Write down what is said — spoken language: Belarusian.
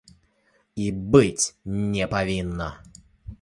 І быць не павінна.